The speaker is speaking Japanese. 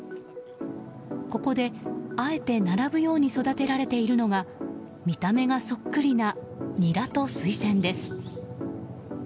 ここで、あえて並ぶように育てられているのが見た目がそっくりなニラとスイセンです。